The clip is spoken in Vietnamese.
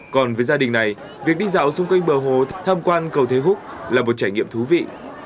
còn với gia đình này việc đi dạo xung quanh bờ hồ tham quan cầu thế húc là một trải nghiệm thú vị